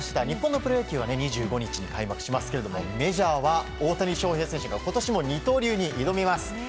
日本のプロ野球は２５日に開幕しますけどメジャーは大谷翔平選手が今年も二刀流に挑みます。